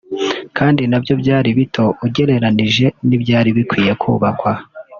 kandi nabyo byari bito ugereranije n’ibyari bikwiye kubakwa